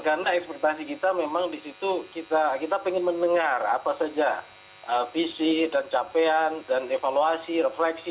karena ekspertasi kita memang di situ kita pengen mendengar apa saja visi dan capaian dan evaluasi refleksi